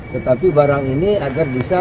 tetapi barang ini agar bisa